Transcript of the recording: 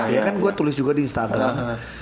iya kan gue tulis juga di instagram